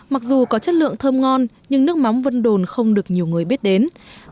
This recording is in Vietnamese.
mặc dù có chất lượng thơm ngon nhưng nước mắm vân đồn không được nhiều người biết đến